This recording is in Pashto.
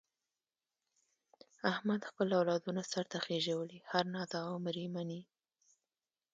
احمد خپل اولادونه سرته خېژولي، هر ناز او امر یې مني.